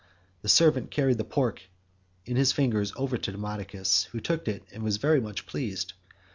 The servant carried the pork in his fingers over to Demodocus, who took it and was very much pleased.